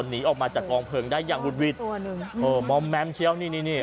หนีออกมาจากกองเพลิงได้อย่างวุดวิทย์โอ้โหมอมแม้มเคี้ยวนี่นี่นี่